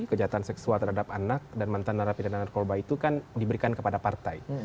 kejahatan seksual terhadap anak dan mantan narapidana narkoba itu kan diberikan kepada partai